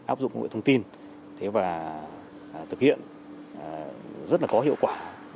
áp dụng công nghệ thông tin và thực hiện rất là có hiệu quả